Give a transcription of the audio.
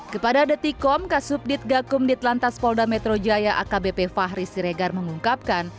kepada detikom kasubdit gakum ditlantas polda metro jaya akbp fahri siregar mengungkapkan